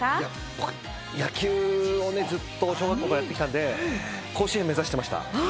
僕は野球をね、ずっと小学校からやってきたんで、甲子園目指してました。